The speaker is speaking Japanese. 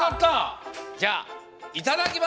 じゃあいただきます！